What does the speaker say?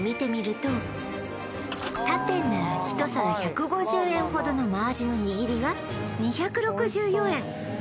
他店なら１皿１５０円ほどの真鯵の握りが２６４円